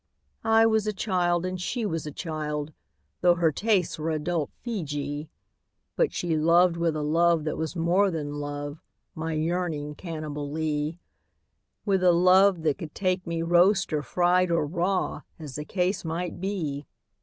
I was a child, and she was a child — Tho' her tastes were adult Feejee — But she loved with a love that was more than love, My yearning Cannibalee; With a love that could take me roast or fried Or raw, as the case might be.